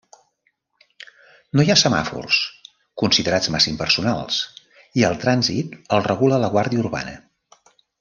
No hi ha semàfors, considerats massa impersonals, i el trànsit el regula la guàrdia urbana.